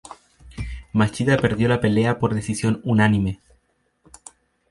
Machida perdió la pelea por decisión unánime.